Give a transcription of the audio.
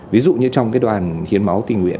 ví dụ như trong đoàn hiến máu tình nguyện